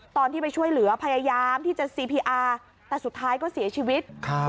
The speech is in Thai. ตอนที่ไปช่วยเหลือพยายามที่จะซีพีอาร์แต่สุดท้ายก็เสียชีวิต